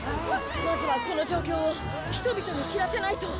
まずはこの状況を人々に知らせないと。